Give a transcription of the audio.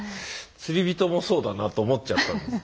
釣り人もそうだなと思っちゃったんです。